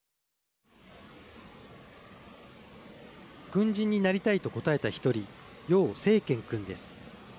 軍人になりたいと答えた１人楊正権君です。